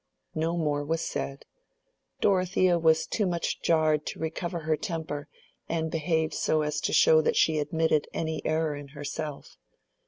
No more was said; Dorothea was too much jarred to recover her temper and behave so as to show that she admitted any error in herself.